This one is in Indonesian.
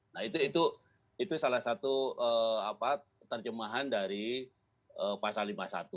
nah itu salah satu terjemahan dari pasal lima puluh satu